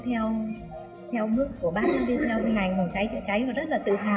theo mức của bác đi theo ngành phòng cháy chữa cháy